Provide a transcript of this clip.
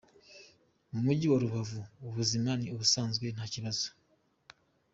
Mu Mujyi wa Rubavu ubuzima ni ubusanzwe nta kibazo.